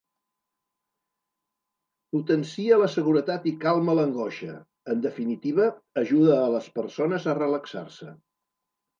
Potencia la seguretat i calma l'angoixa: en definitiva, ajuda a les persones a relaxar-se.